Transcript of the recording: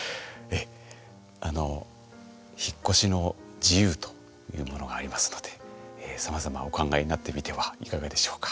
あの引っ越しの自由というものがありますのでさまざまお考えになってみてはいかがでしょうか。